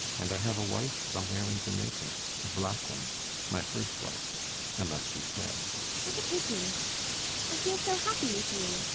And I have a wife somewhere in Jamaica: a black one. My first wife. Unless she's dead. ELLIE. What a pity! I feel so happy with you.